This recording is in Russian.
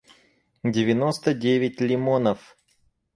девяносто девять лимонов